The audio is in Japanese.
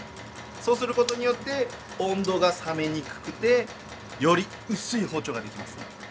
そうすることによって温度が冷めにくくてより薄い包丁ができますね。